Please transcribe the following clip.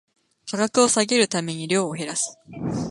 価格を下げるために量を減らす